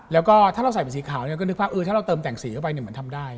แล้วก็ถ้าเราใส่เป็นสีขาวเนี่ยก็นึกว่าถ้าเราเติมแต่งสีเข้าไปเหมือนทำได้